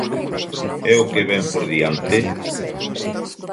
E o que vén por diante?